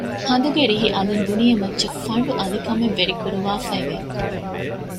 ހަނދުގެ ރިހި އަލިން ދުނިޔެމައްޗަށް ފަނޑު އަލިކަމެއް ވެރިކުރުވާފައި ވެ